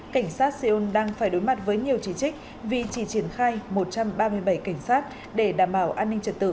cảnh sát seoul đang phải đối mặt với nhiều chỉ trích vì chỉ triển khai một trăm ba mươi bảy cảnh sát để đảm bảo an ninh trật tự